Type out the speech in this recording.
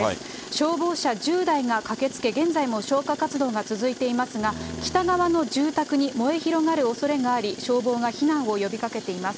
消防車１０台が駆けつけ、現在も消火活動が続いていますが、北側の住宅に燃え広がるおそれがあり、消防が避難を呼びかけています。